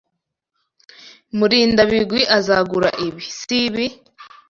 Murindabigwi azagura ibi, sibi?